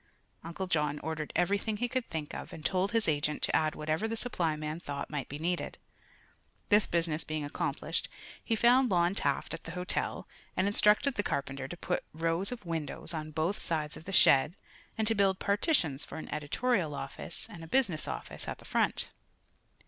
Uncle John ordered everything he could think of and told his agent to add whatever the supply man thought might be needed. This business being accomplished, he found Lon Taft at the hotel and instructed the carpenter to put rows of windows on both sides of the shed and to build partitions for an editorial office and a business office at the front.